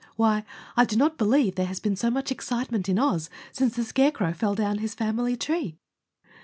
Why, I do not believe there has been so much excitement in Oz since the Scarecrow fell down his family tree.